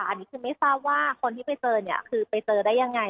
อันนี้คือไม่ทราบว่าคนที่ไปเจอเนี่ยคือไปเจอได้ยังไง